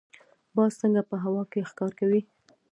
باز څنګه په هوا کې ښکار کوي؟